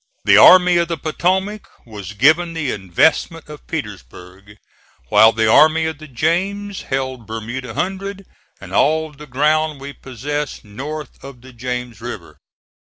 The Army of the Potomac was given the investment of Petersburg, while the Army of the James held Bermuda Hundred and all the ground we possessed north of the James River.